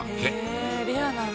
へえレアなんだ。